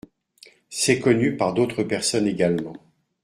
C’est connu par d’autres personnes également.